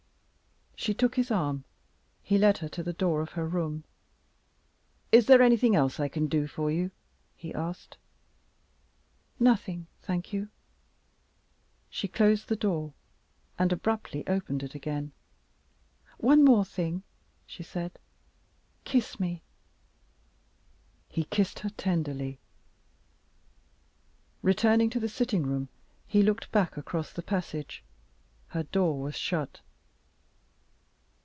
She took his arm. He led her to the door of her room. "Is there anything else I can do for you?" he asked. "Nothing, thank you." She closed the door and abruptly opened it again. "One thing more," she said. "Kiss me." He kissed her tenderly. Returning to the sitting room, he looked back across the passage. Her door was shut.